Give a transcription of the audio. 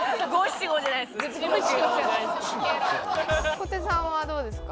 小手さんはどうですか？